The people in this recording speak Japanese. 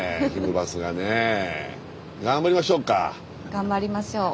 頑張りましょうか。